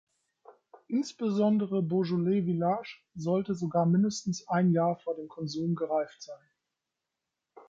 Insbesondere Beaujolais Villages sollte sogar mindestens ein Jahr vor dem Konsum gereift sein.